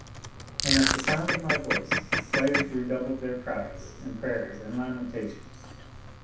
And at the sound of my voice the slaves redoubled their cries and prayers and lamentations.